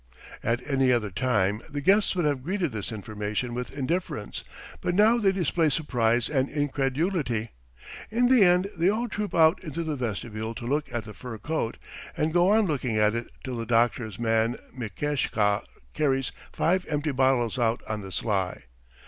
At any other time the guests would have greeted this information with indifference, but now they display surprise and incredulity. In the end they all troop out into the vestibule to look at the fur coat, and go on looking at it till the doctor's man Mikeshka carries five empty bottles out on the sly.